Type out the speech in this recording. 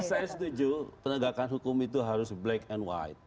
saya setuju penegakan hukum itu harus black and white